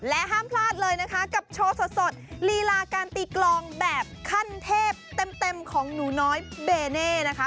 ห้ามพลาดเลยนะคะกับโชว์สดลีลาการตีกลองแบบขั้นเทพเต็มของหนูน้อยเบเน่นะคะ